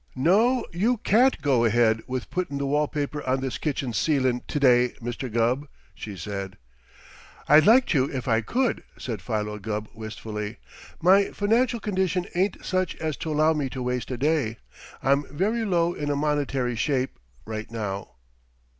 "No, you can't go ahead with puttin' the wall paper on this kitchen ceilin' to day, Mr. Gubb," she said. "I'd like to, if I could," said Philo Gubb wistfully. "My financial condition ain't such as to allow me to waste a day. I'm very low in a monetary shape, right now."